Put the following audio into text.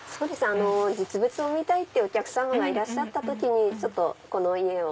実物を見たいお客様がいらっしゃった時にこの家を。